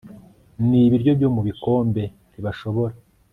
nibiryo byo mu bikombe ntibashobora